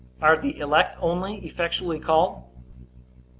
Are the elect only effectually called?